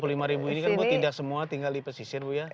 dua puluh lima ribu ini kan bu tidak semua tinggal di pesisir bu ya